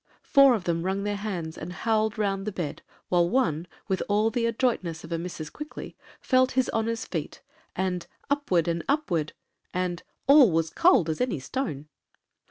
Four of them wrung their hands and howled round the bed, while one, with all the adroitness of a Mrs. Quickly, felt his honor's feet, and 'upward and upward,' and 'all was cold as any stone.'